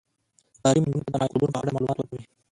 تعلیم نجونو ته د میکروبونو په اړه معلومات ورکوي.